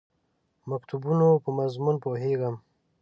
مکتوبونو په مضمون پوهېږم.